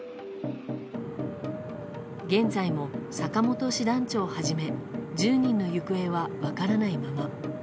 現在も坂本師団長をはじめ１０人の行方は分からないまま。